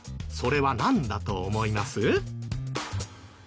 それはなんだと思います？